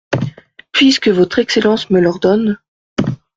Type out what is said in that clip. Puisque Votre Excellence me l'ordonne.